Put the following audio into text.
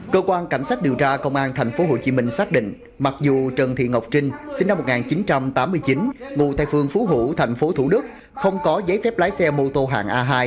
cơ quan cảnh sát điều tra công an tp hcm xác định mặc dù trần thị ngọc trinh sinh năm một nghìn chín trăm tám mươi chín ngụ tây phương phú hữu tp thủ đức không có giấy phép lái xe mô tô hàng a hai